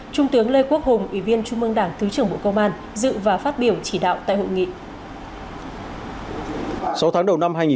trung tướng lê quốc hùng ủy viên trung mương đảng thứ trưởng bộ công an dự và phát biểu chỉ đạo tại hội nghị